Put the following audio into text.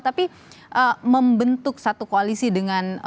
tapi membentuk satu koalisi dengan